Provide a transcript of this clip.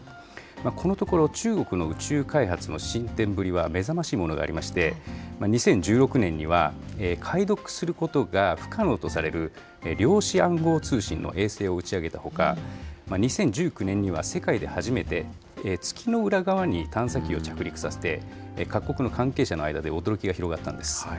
このところ、中国の宇宙開発の進展ぶりは目覚ましいものがありまして、２０１６年には、解読することが不可能とされる量子暗号通信の衛星を打ち上げたほか、２０１９年には世界で初めて月の裏側に探査機を着陸させて、各国の関係者の間で驚きが広がったんです。